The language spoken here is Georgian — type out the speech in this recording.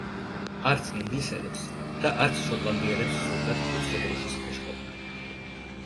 არც ინგლისელებს და არც შოტლანდიელებს სურდათ უცხო დროშის ქვეშ ყოფნა.